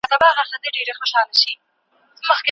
د هوا کیفیت ښه ساتل د دولت مسئولیت دی.